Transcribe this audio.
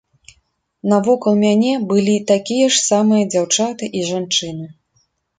Навокал мяне былі такія ж самыя дзяўчаты і жанчыны.